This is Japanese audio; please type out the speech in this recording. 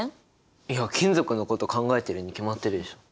いや金属のこと考えてるに決まってるでしょ！